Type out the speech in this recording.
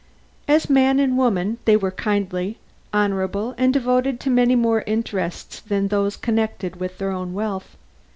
As man and woman they were kindly, honorable and devoted to many more interests than those connected with their own wealth.